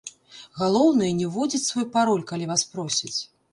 Галоўнае, не ўводзіць свой пароль, калі вас просяць.